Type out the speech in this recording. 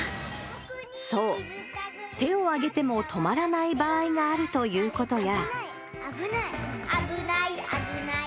そう、手を上げても止まらない場合があるということや。